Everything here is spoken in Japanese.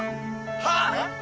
はっ？